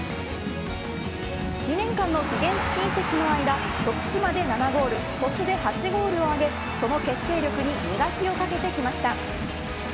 ２年間の期限付き移籍の間徳島で７ゴール鳥栖で８ゴールを挙げその決定力に磨きをかけてきました。